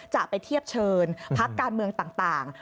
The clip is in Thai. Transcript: จะไปเทียบเชิญพักการเมืองต่าง